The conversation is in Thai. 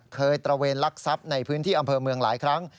ตระเวนลักทรัพย์ในพื้นที่อำเภอเมืองหลายครั้ง